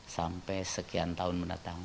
sampai sekian tahun mendatang